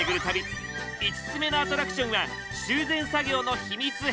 ５つ目のアトラクションは修繕作業の秘密兵器です。